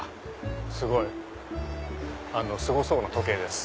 すごい！すごそうな時計です。